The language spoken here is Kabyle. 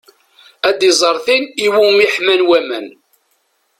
Ad iẓer tin iwumi ḥman waman.